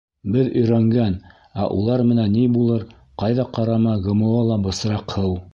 Беҙ өйрәнгән, ә улар менән ни булыр — ҡайҙа ҡарама ГМО ла бысраҡ һыу...